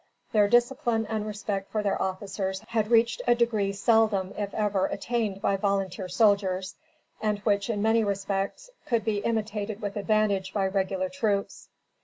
Their discipline and respect for their officers had reached a degree seldom, if ever, attained by volunteer soldiers, and which, in many respects, could be imitated with advantage by regular troops.